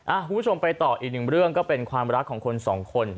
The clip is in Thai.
คุณผู้ชมไปต่ออีกหนึ่งเรื่องก็เป็นความรักของคนสองคน